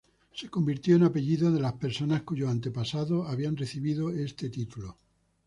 Se convirtió en apellido de las personas cuyos antepasados habían recibido este título.